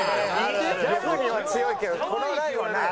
ギャルには強いけどこのラインはない。